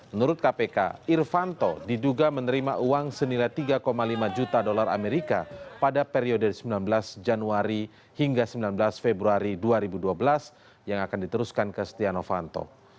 menurut kpk irfanto diduga menerima uang senilai tiga lima juta dolar amerika pada periode sembilan belas januari hingga sembilan belas februari dua ribu dua belas yang akan diteruskan ke setia novanto